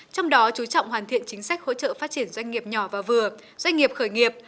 trong đó chú trọng hoàn thiện chính sách hỗ trợ phát triển doanh nghiệp nhỏ và vừa doanh nghiệp khởi nghiệp